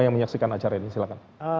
yang menyaksikan acara ini silahkan